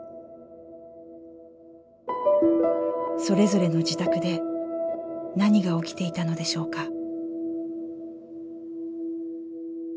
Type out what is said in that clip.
それぞれの自宅で何が起きていたのでしょうか。